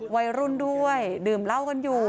วัยรุ่นด้วยดื่มเหล้ากันอยู่